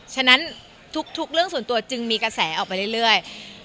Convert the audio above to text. ฉะนั้นทุกเรื่องส่วนตัวจึงมีกระแสออกไปเรื่อย